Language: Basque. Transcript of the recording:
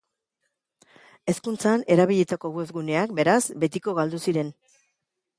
Hezkuntzan erabilitako webguneak, beraz, betiko galdu ziren.